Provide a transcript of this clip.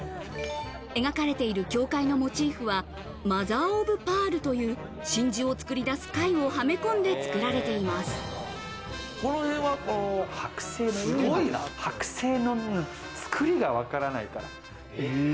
描かれている教会のモチーフは、マザーオブパールという真珠を作り出す貝をはめ込んで作られてい剥製の作りがわからない。